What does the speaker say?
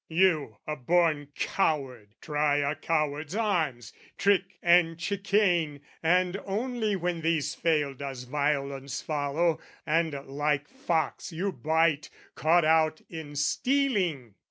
"You, a born coward, try a coward's arms, "Trick and chicane, and only when these fail "Does violence follow, and like fox you bite "Caught out in stealing.